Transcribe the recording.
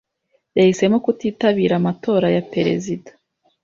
Yahisemo kutitabira amatora ya perezida.